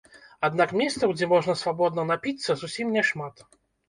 Аднак месцаў, дзе можна свабодна напіцца, зусім няшмат.